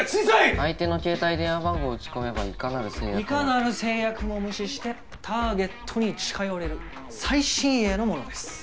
相手の携帯電話番号を打ち込めばいかなる制約もいかなる制約も無視してターゲットに近寄れる最新鋭のものです